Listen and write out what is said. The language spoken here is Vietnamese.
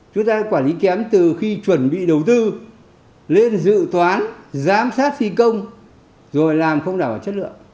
chúng ta quản lý kém từ khi chuẩn bị đầu tư lên dự toán giám sát phi công rồi làm không đảm bảo chất lượng